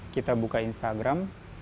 kita buka instagram